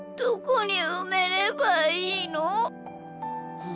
うん。